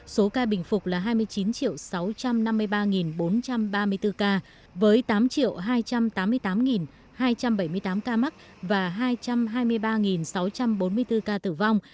số ca bình phục là hai mươi chín sáu trăm năm mươi ba bốn trăm ba mươi bốn ca với tám hai trăm tám mươi tám hai trăm bảy mươi tám ca mắc và hai trăm hai mươi ba sáu trăm bốn mươi bốn ca tử vong